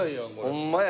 ホンマや。